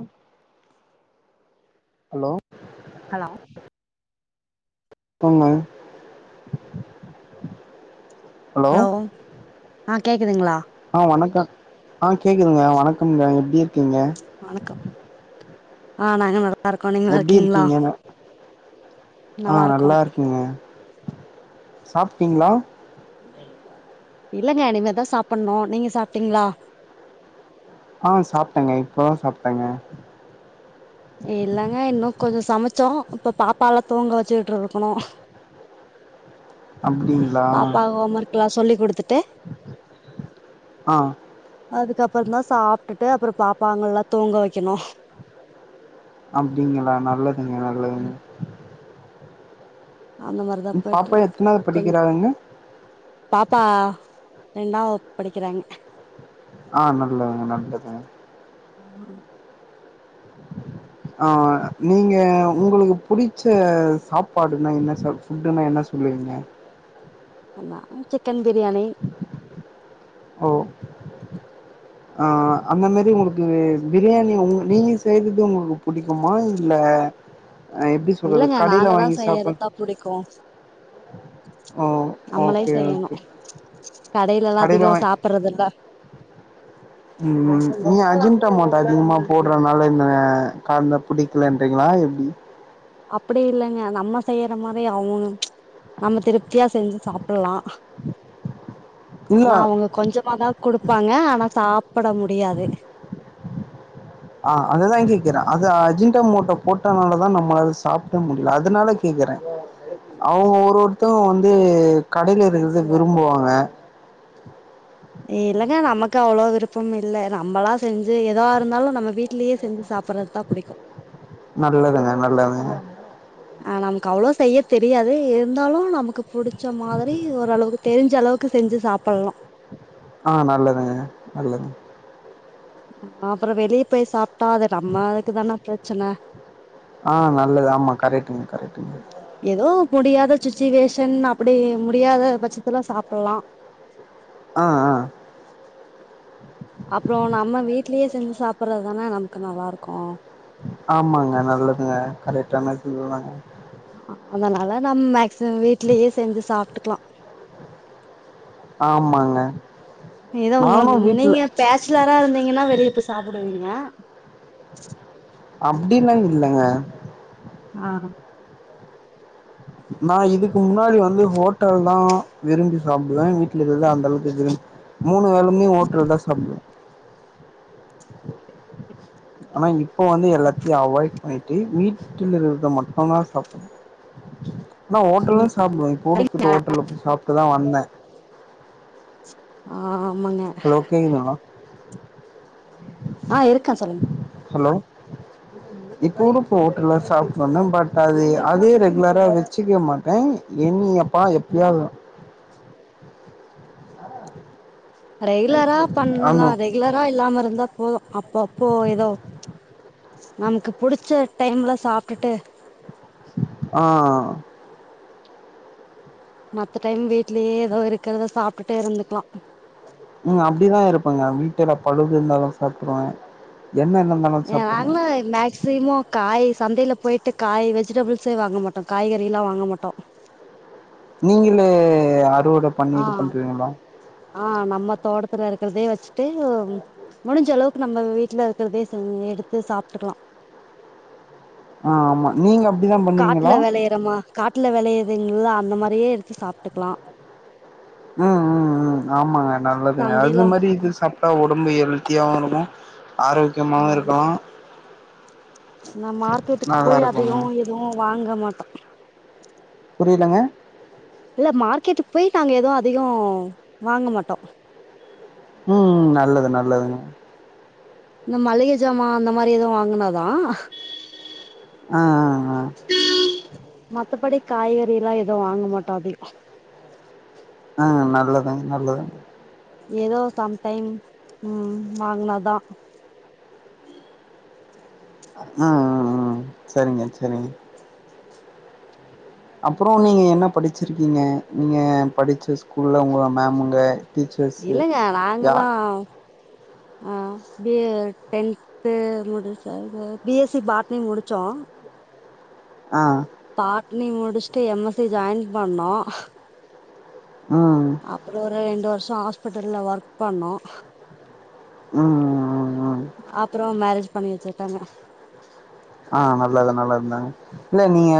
உஹம் hello hello போங்க hello ஆ கேக்குதுங்களா ஆஹ வணக்கம் ஆஹ கேக்குதுங்க வணக்கம்ங்க எப்டி கேக்குதுங்க ஆனாங்க நட எப்டி இருக்கீங்க ஆஹ நல்லா இருக்குங்க சாப்பிட்டீங்களா இல்லங்க இனிமேதா சாப்டணும் நீங்க சாப்பிட்டீங்களா ஆஹ சாப்டேங்க இப்பதா சாப்டேங்க இல்லங்க இன்னும் கொஞ்சம் சமைச்சோம் இப்ப பாப்பாலாம் தூங்க வச்சுக்கிட்டுருக்கணும் அப்டிங்களா பாப்பா ஹோம் ஒர்க் எல்லா சொல்லி குடுத்துட்டு ஆ அதுக்கப்புறம் தா சாப் விட்டுட்டு அப்புறம் பாப்பாங்க எல்லா தூங்க வைக்கணும் அப்டிங்களா நல்லது நல்லதுங்க அந்த மாரிதான் போயிட்டு பாப்பா எத்தனாவது கொஞ் படிக்கிறாங்க பாப்பா ரெண்டாவகுப்பு படிக்கிறாங்க ஆஹ் நல்லது நல்லதுங்க உம் [inaudible] ஆஹ் நீங்க உங்களுக்கு புடிச்ச சாப்பாடுன்னா என்ன சாப் ஃபுட்டுன்னா என்ன சொல்லுவீங்க சிக்கன் பிரியாணி ஓ ஆஹ் அந்த மாரி உங்களுக்கு பிரியாணி உங்க நீங்க செய்தது உங்களுக்கு புடிக்குமா இல்ல அ எப்டி சொல்றது இல்லங்க கடையில நாங்க வாங்கி தான் சாப்ப செய்யறதான் புடிக்கும் ஓ ஓகே ஓகே கடையிலல்லா கடையில அதிகோ வாங்கி சாப்புட்றதில்ல உம் நீ அஜ அஜினமோட்டோ அதிகமா போடுறதுனால இந்த கால பிடிக்கலன்றீங்களா எப்படி அப்படி இல்லைங்க நம்ம செய்யற மாரி அவங்க நம்ம திருப்தியா செஞ்சு சாப்பிடலாம் இல்ல ஆனா அவங்க கொஞ்சமாதான் குடுப்பாங்க ஆனா சாப்பட முடியாது ஜிண்டா மோட்டோ போட்டனால தான் நம்மளால சாப்பிட முடியல அதனால கேக்குறேன் அவங்க ஒருவர் தூங்க வந்து கடையில இருக்கிறத விரும்புவாங்க இல்லைங்க நமக்கு அவ்வளவு விருப்பம் இல்ல நம்மளாம் செஞ்சு எதா இருந்தாலும் நம்ம வீட்டுலேயே செஞ்சு சாப்ப நல்லதுங்க நல்லதுங்க ஆஹ் நமக்கு அவ்வளவு செய்யள்ளஒ தெரியாது இருந்தாலும் நமக்கு புடிச்ச மாதிரி ஓரளவுக்கு தெரிஞ்ச அளவுக்கு செஞ்சு சாப்பிலாம் ஆஹ் நல்லதுங்க நல்லது ஹ அப்புறம் வெளியே போய் சாப்பிட்டா அது நம்மளுக்கு தானே பிரச்சன ஆஹ் நல்லது ஆமா கரெக்டங்க கரெக்டங்க ஏதோ முடியாத சுச்சிவேஷன் அப்படி முடியாத பட்சத்துலா சாப்பிலாம் ஆஹ் ஆஹ் அப்புறம் நம்ம வீட்லயே செஞ்சு சாப்பிடுறதுதானே நமக்கு நல்லா இருக்கும் ஆமாங்க நல்லதுங்க கரெக்டனா இதுவுதாக ஹ் அதனால நம் மேக்சிமம் வீட்லயே செஞ்சு சாப்பிட்டுக்கலாம் ஆமாங்க இதே உங்கள நானு வீட்ல நீங்க பேச்சலரா இருந்தீங்கன்னா வெளிய போய் சாப்பிடுவீங்க அப்படில்லாம் இல்லங்க ஆஹ் நான் இதுக்கு முன்னாடி வந்து ஹோட்டல்லாம் விரும்பி சாப்பிடுவேன் வீட்டுல நநக்கஇஇருதான் அந்த அளவுக்குு மூணு வேலமே ஓட்டல் தான் சாப்பிடுவேன் ஆனா இப்ப வந்து எல்லாத்தையும் அவாய்ட் பண்ணிட்டு வீட்டில் இருறத மட்டும்தான் சாப்பிடு ஆனா ஹோட்டல்லும் சாப்பிடுவேன் இப்போ போய்ட்டு ஹோட்டல்ல சாப்பிட்டுதான் வந்தேன் ஆஹ் ஹலோகேங்குனா ஆ இருக்கேன் சொல்லுங்க ஹலோ இப்போருப்ப ஹோட்டல்ல சாப்ட் வந்தேன் பட் அது அதே ரெகுலரா வச்சுக்க மாட்டேன் என்னியப்பா எப்பயாவது தான் ரெகுலரா அந்த பண்ணலாம் ரெகுலரா இல்லாம இருந்தா போதும் அப்போ அப்போ ஏதோ நமக்கு புடிச்ச டைம்ல சாப்ட்டுட்டு ஆ மத்த டைம் வீட்லயே ஏதோ இருக்கிறத சாப்பிட்டுட்டே இருந்துக்கலாம் ம் அப்டிதான் இருப்பங்கா வீட்ல பழுது இருந்தாலும் சாப்பிடுவேன் ஏ நாங்க மேக்சிமம் காய் சந்தையில போயிட்டு காய் வெஜிடபிள்ஸே வாங்க மாட்டோம் காய்கறிலாம் வாங்க மாட்டோம் நீங்களே ஆ ரெகுலரா பண்ணி இது ஆ பண்றீங்களா த்துல இருக்கிறதே வச்சிட்டு முடிஞ்ச அளவுக்கு நம்ம வீட்ல இருக்கிறதே எடுத்து சாப்பிட்டுக்கலாம் ஆ ஆமா நீங்க அப்டிதா பண்ணுவீங்களா காட்டுல வெளையறமா காட்டுல விளையதுலுங்கள அந்த மாரி நெறைய எடுத்து சாப்பிட்டுக்கலாம் ம் ம் ம் ஆமாங்க நல்லதுங்க சந்தையில அது மாரி இது சாப் உடம்பு ஹெல்தியாவும் இருக்கும் ஆரோக்கியமாவும் இருக்கலாம் நான் மார்க்கெட்டுக்கு போய் இருக்குங்க அதிகம் எதுவும் வாங்க மாட்டோம் புரியலங்க இல்ல மார்க்கெட்டுக்கு போய் நாங்க எதவும் அதிகோம் வாங்க மாட்டோம் ம் நல்லது நல்லதுங்க இந்த மளிகை ஜாமான் அந்த மாரி எதுவும் வாங்கினாதான் ஆ ஆ மத்தபடி காய்கறிலாம் எதுவும் வாங்க மாட்டோம் அதி ஆ நல்லதுங்க நல்லதுங்க ஏதோ சம்டைம் ம்ம் வாங்கினாதான் ம்ம் ம்ம் ம்ம் சேரிங்க சேரிங்க அப்புறோம் நீங்க என்ன படிச்சிருக்கீங்க நீங்க படிச்ச ஸ்கூல்ல உங்கள மேமுங்க டீச்சர்ஸு இல்லங்க யா நாங்கல்லாம் ஆ பி டென்து முடிச்ச பி எஸ்சி பாட்ணி முடிச்சோம் ஆ பாட்னி முடிச்சுட்டு எம் எஸ்சி ஜாயின் பண்ணோம் ம் அப்புறோம் ஒரு ரெண்டு வரு ஹாஸ்பிட்டல்ல ஒர்க் பண்ணோம் ம் ம் ம் அப்புறோம் மேரேஜ் பண்ணி வச்சிட்டாங்க ஆஹ் நல்லது நல்லதுங்க இல்ல நீங்க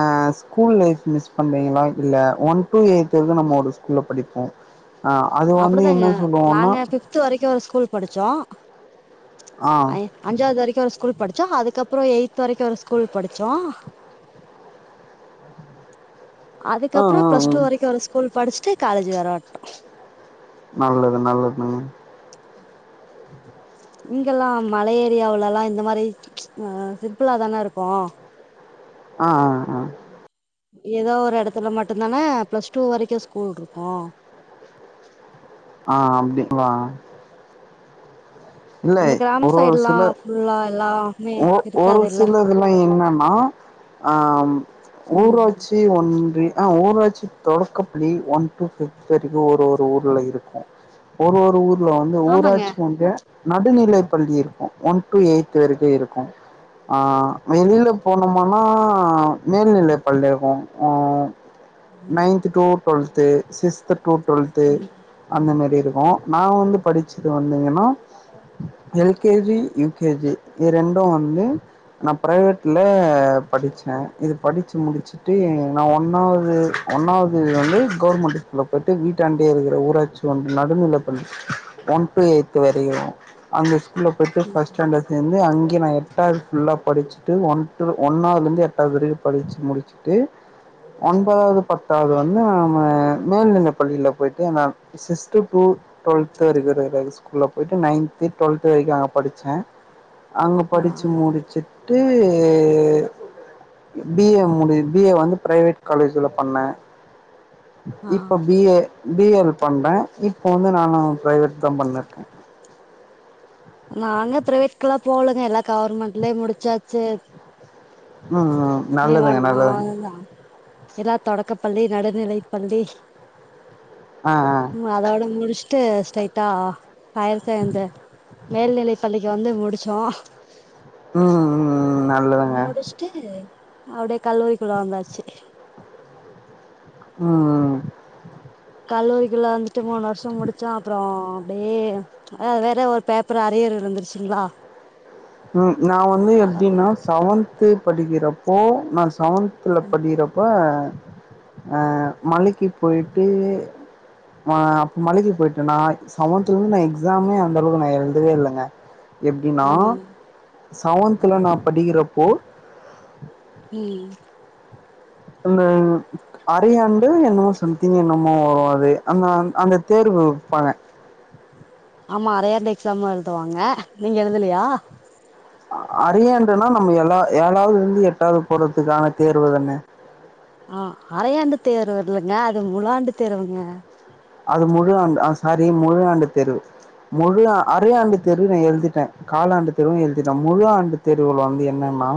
அ ஸ்கூல் லைப் மிஸ் பண்றீங்களா இல்ல ஒன் டு எடய்த் நம்ம ஒரு ஸ்கூல்ல படிப்போ ஆ அது வந்து அப்டிதாங்க என்ன சொல்லுவோன்னா நாங்க ஃபிப்த் வரைக்கும் ஒரு ஸ்கூல் படிச் ஜா ஆ ஐ அஞ்சாவது வரைக்கு ஒரு ஸ்கூல் படிச்சோ அதுக்கப்றோ எய்த் வரைக்கு ஒரு ஸ்கூல் படிச்சோ ஆ அதுக்கப்புறொ ஆ பிளஸ் டூ ம் வரைக்கு ஒரு ஸ்கூல் படிச்ட்டு காலேஜ் வர வன்ட்டோ நல்லது நல்லதுங்க இங்கல்லா மல ஏரியாவுலலா இந்த மாரி ஆஹ் சிம்பிளாதான இருக்கோ ஆஹ் ஆஹ் ஆஹ் ஏதோ ஒரு எடத்துல மட்டுந்தான பிளஸ் டூ வரைக்கு ஸ்கூல் இருக்கு ஆஹ் அப்டிங்களா இல்ல இந்த கிராம ஒரு ஒரு சைடுலா சில ஃபுல்லா எல்லாமே ஒ ஒரு இருக்காதுல்ல சிலதுல என்னன்னா அம் ம் ஊராட்சி ஒன்றி ஆ ஊராட்சி தொடக்கப்ளி ஒன் டூ ஃபிஃப்த் வரைக்கு ஒரு ஒரு ஊரில இருக்கு ஒரு ஒரு ஊர் ல வந்து ஆமாங்க ஊராட்சி ஒன்றிய நடுநிலைப் பள்ளி இருக்கு ஒன் டு எய்த் வரைக்கு இருக்கு ஆஹ் வெளியில போனோமனா மேல்நிலை பள்ளி இருக்கு ஒஹ் ம் ninth to twelfth sixth to twelfth ம் அந்த மாரி இருக்கு நா வந்து படிச்சது வந்தீங்கன்னா L K G U K G இது ரெண்டு வந்து ந ப்ரைவேட்ல ம் படிச் சே இது படிச் சு முடிச்சுட்டு நா ஒன்னாவ் து ஒன்னாவது வந்து கவர்மெண்டு ஸ்கூல்ல போய்ட்டு வீட்டாண்டயே இருக்குற ஊராட்சி ஒன்றிய நடுநிலைப் பள்ளி ஒன் டு எய்த் வரை யு அந்த ஸ் கூல்ல போய்ட்டு ம் ஃபஸ்ட் ஸ்டாண்டர்ட் சேந்து அங் க நா எட்டாவது ஃபுல்லா படிச்சுட்டு ஒன் டு ஒன்னாவதுலேந்து எட்டாவது வரையு படிச்சு முடிச்சுட்டு ஒன்பதாவது பத்தாவது வந்து நம்ம மேல்நில பள்ளியில போயிட்டு சிக்ஸ்த்து டு டுவெல்த் வரையு இருக்குர ஸ்கூல்ல போய்ட்டு நைன்த்து டுவெல்த்து வரைக்கு அங்க படிச்சே அங்க ஆ படிச்சு முடிச்சுட் டு பி ஏ முடி பி ஏ வந்து ப்ரைவேட் காலேஜ்ல பண்ணே ஆ ஆ இப்ப பி ஏ பி எல் பண்றே இப்போ வந்து நானு ப்ரைவேட்தா பண்ணின்ருக்கே நாங்க பிரைவேட்கெல்லா போலங்க எல்லா கவர்மெண்ட்லயே முடிச்சாச்சு உம் ம் ஏ நல்லதுங்க ஒன் நல்லதுங்க க்கப் பள்ளி நடுநிலைப் பள்ளி ஆ ஆ உம் அதோட முடிச் சுட்டு ஸ்டைட்டா ஹையர் செகண்ட்ரி மேல்நிலை பள்ளிக்கு வந்து முடிச் ஆ [unintelligible] ம் ம் நல்லதுக அபடியே கல்லூரிகுள்ள வந்தாச்சு ம்ம் கல்லூரிக்குள்ள அபடியே ப் ச் அத வேற ஒரு பேப்பர் அறியர்யிருந்துசிங்களா ம் நா வந்து எபடின்னா செவத் படிகிறபோ நா செவத்துல ம் படிறபா ஹா மலைக்கு போயிடு ஆ அப மளைக்கு போயிடனா செவதுலயிருந்து நா எக்ஜாமே அந்த அளவுகு நா எழுதவேயில்லங்க எப்டினா ஆமாங்க சாவந்துல ம் நான் படிக்கிறே அப் போ ம் அந்த ம் அரையாண்டு என்மோ சம்திங் எனமோ ஹ வோ அம அந்த தேர்வு வெபங்க ஆம்மா அரையாண்டு எக்ஜாம் எழுதுவாக நீங்க எழுதலையா ஹ அறையண்டுனா நம்ம எலா ஏழாவதுலிருந்து எட்டாவது போடுதுகான தேர்வு தானே ஆ அறையாண்டு தேர்வுயில்லங்க அது முழாண்டு தேர்வுக அது முழு ஆண்டு ஆ சாரி முழு ஆண்டு தேர்வு முழு அரையாண்டு தேர்வு நா எழுதிடேன் காலாண்டு தேர்வு எழுதிடேன் முழு ஆண்டு தேர்வுல வந்து என்னனா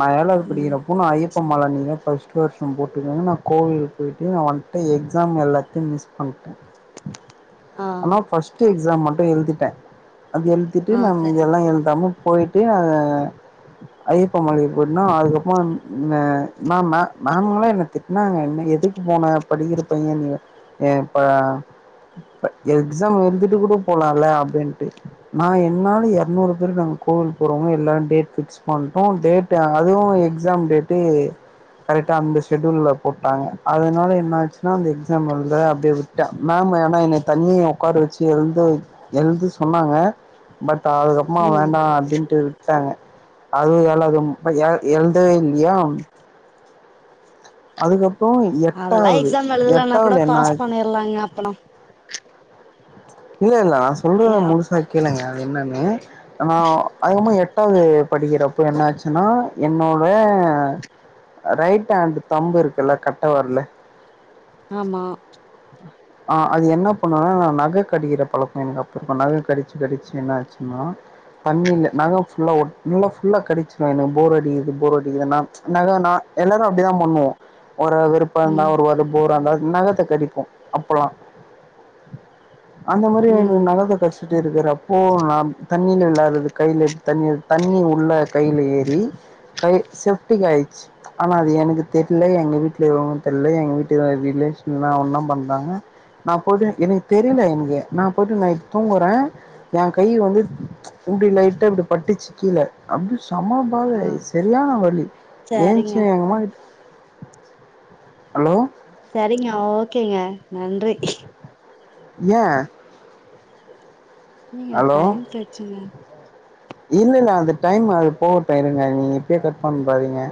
நா ம் எலவதுபடிகறபோ நா ஐ ப்ப மழைநீங்க பஸ்ட்வருஷே போடுகங்கநா கோவில் போயிடு நா வட்டே எக்ஸாம்யிலத்தையு மிஸ் அட்டு ஆ [unintelligible] ஆனா பஸ்ட் எக்ஸாம் மட்ட ன எழுதிடேன் அது எழுதிட்டு ஆ நா சரி மீதியொல்லாம் எழுதாம போயிடு நா ஹா ஐயப்ப மலைக்கு போயிடன அதுகபுறமே என்ன திட்டினாங்க என்ன எதுக்கு போன படிக்கிற பையன் நீங்க இ எப்ப எக்ஸாம் எழுதிடுகூட போலாம்ல அப்டின்டு நா என்னாலே எற்நூறு பேரு நாங்க கோவிலுகு போறவங்க எலாரரு டேட் பிக்ஸ் பணிடோ டேட்டு அதுவு எக்ஸாம் டேட்டு கரெடா அந்த செடியூட்ல போடாக அதனால என்ன ச்சுனா அந்த எக்ஸாம் எழுத அப்டியேவிட்டே மேம் ஏனா என்னதண்ணிய உட்கார வச்சி எழுதஎழுதசொனாங்க பட் டா ம் அதுகபுறவேண்டா அபடின்டு விடே அது எலதம் எழுதவேயில்லயா அதுகபு இப்பே எட்டாவது எட்டாதுல என்ன ங்க அபுறம் இல்ல இல்ல நா சொல்றத முழுசாக கேளுங்க அது என்னனு நான் அது கபற எட் ட்டவது படிகிறப என்னச்சின்னா என்னோட ரைட் ஹேட் தம்புயிருக்கள கட்டவிரலு ஆம்மா ஆஹ் அது என்ன பண்ணுனுனா நா நக கடிக்கிற பழக்க எனக்கு அப்பு பன்னாலே கடிச்சு கடிச்சு என்ன ஆச்சுன்னா தண்ணில நகஃபுல்லா நல்லா ஃபுல்லா கடிச்சிடவ எனக்க போர் அடிக்குது போர் அடிக்குனா நக நா எல்லாரு அப்டிதா பண்ணுவோ ஒரு விருப்பல்ல ம் ஒருவது போராந்தா நகத்த கடி அப்பலா அந்த மாரி ம் நகத கச்சுட்டே இருக்குரப் போனாம் தண்ணில வெளாடறது கையில தண்ணி தண்ணி உள்ள கையில ஏறி கை செஃப்டிக் ஆச்சு அனா அது எனக்கு தெரில எங்க வீட்லருவங்கு தெரில எங்க வீட்டுக்வர ரிலேஷன்னா ஒன்னா பண்ரங்க நா போய்ட்டு எனக்கு தெரில என்கு நா போய்டு நைட்டு தூங்குறே என் கை வந்து ப்படி லைட்டா பட்டுச்சு கீழ அப்டி ஆ சமபயாயி சரியான வலி சரிங்க ஏன்சு எங்கம்மாகிட் ஹலோ சரிங்க ஓகேங்க நன்றி ஏ நீங்க டைம் பேச்சுங்க இல்லல்ல அந்த டைம் அது போகட்டு இருங்க நீங்க இப்யே கட் பண்ராதீங்க